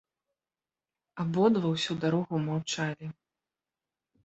Абодва ўсю дарогу маўчалі.